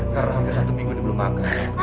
karena hampir satu minggu dia belum makan